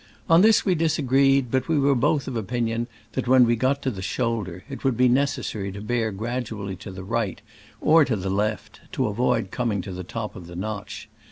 On this we disagreed, but we were both of opinion that when we got to "the shoulder " it would be necessary to bear gradually to the right or to the left, to avoid coming to the top of the notch.